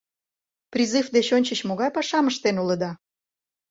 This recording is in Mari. — Призыв деч ончыч могай пашам ыштен улыда?